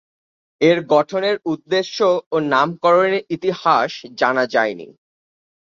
এর গঠনের উদ্দেশ্য ও নামকরনের ইতিহাস জানা যায়নি।